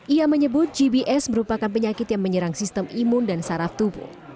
ia menyebut gbs merupakan penyakit yang menyerang sistem imun dan saraf tubuh